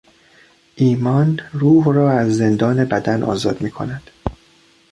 ایمان روح را از زندان بدن آزاد میکند.